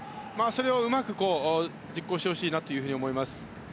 それをうまく実行してほしいなと思います。